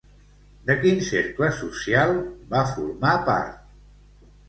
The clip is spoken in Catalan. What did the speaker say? De quin cercle social va formar part?